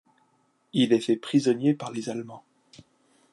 Il est fait prisonnier par les Allemands.